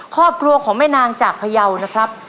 ครอบครัวของแม่นางจากพยาวนะครับ